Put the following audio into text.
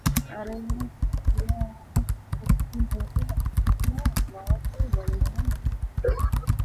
அரையில் கட்டிய அரைக்கச்சும் தோளில் அணிந்துள்ள வாகுவலயமும், மார்பில் இயங்கும் யக்ஞோபவீதமும் அவர் அழகை அதிகப்படுத்துகின்றன.